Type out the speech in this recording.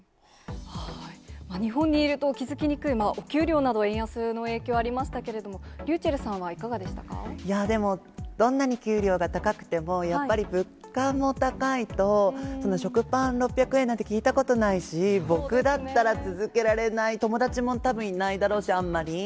日本にいると気付きにくい、お給料など、円安の影響ありましたけれども、ｒｙｕｃｈｅｌｌさでも、どんなに給料が高くても、やっぱり物価も高いと、食パン６００円なんて聞いたことないし、僕だったら続けられない、友達もたぶんいないだろうし、あんまり。